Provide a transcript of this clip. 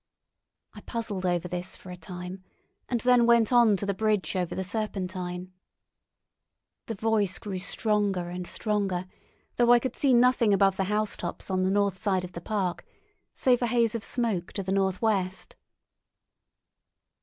I puzzled over this for a time, and then went on to the bridge over the Serpentine. The voice grew stronger and stronger, though I could see nothing above the housetops on the north side of the park, save a haze of smoke to the northwest.